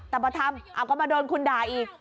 แต่พอทำก็มาโดนคุณด่าอีก